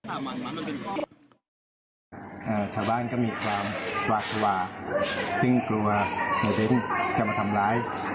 ชาวบ้านก็มีความหวาดภาวะซึ่งกลัวในเบ้นจะมาทำร้าย